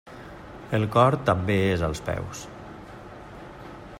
El cor també és als peus.